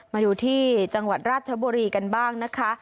มาดูที่จังหวัดราชบุรีกันบ้างนะคะ